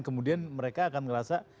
kemudian mereka akan ngerasa